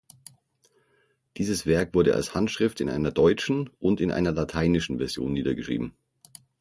Dieses Werk wurde als Handschrift in einer deutschen und in einer lateinischen Version niedergeschrieben.